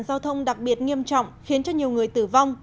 giao thông đặc biệt nghiêm trọng khiến cho nhiều người tử vong